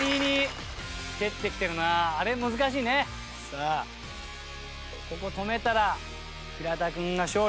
さあここ止めたら平田君が勝利。